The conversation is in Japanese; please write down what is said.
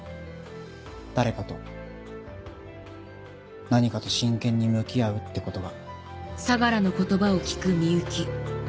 誰かと何かと真剣に向き合うってことが。